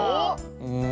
うん。